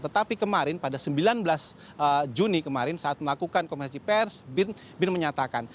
tetapi kemarin pada sembilan belas juni kemarin saat melakukan konversi pers bin menyatakan